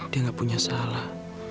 dia gak punya salah